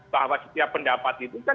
bahwa setiap pendapat itu kan